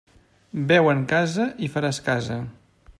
Beu en casa i faràs casa.